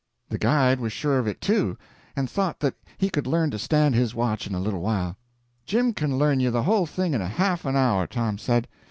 The guide was sure of it, too, and thought that he could learn to stand his watch in a little while. "Jim can learn you the whole thing in a half an hour," Tom said.